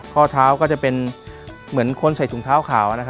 ข้อเท้าก็จะเป็นเหมือนคนใส่ถุงเท้าขาวนะครับ